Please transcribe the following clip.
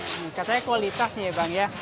katanya kualitas nih ya bang ya